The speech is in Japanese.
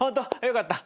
よかった。